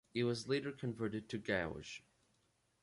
It was later converted to gauge.